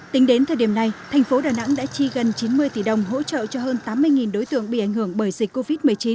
tính đến thời điểm này thành phố đà nẵng đã chi gần chín mươi tỷ đồng hỗ trợ cho hơn tám mươi đối tượng bị ảnh hưởng bởi dịch covid một mươi chín